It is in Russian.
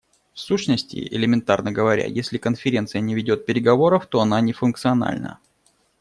В сущности, элементарно говоря, если Конференция не ведет переговоров, то она не функциональна.